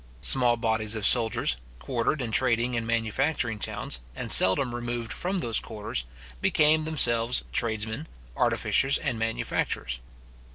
Small bodies of soldiers, quartered in trading and manufacturing towns, and seldom removed from those quarters, became themselves trades men, artificers, and manufacturers.